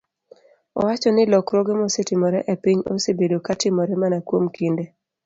owacho ni lokruoge mosetimore e piny osebedo ka timore mana kuom kinde